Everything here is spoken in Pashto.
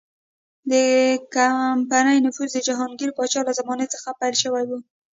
د کمپنۍ نفوذ د جهانګیر پاچا له زمانې څخه پیل شوی و.